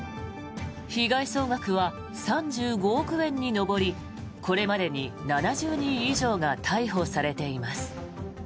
被害総額は３５億円に上りこれまでに７０人以上が逮捕されています。